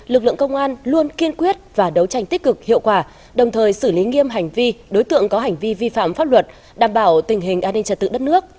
lực lượng công an luôn kiên quyết và đấu tranh tích cực hiệu quả đồng thời xử lý nghiêm hành vi đối tượng có hành vi vi phạm pháp luật đảm bảo tình hình an ninh trật tự đất nước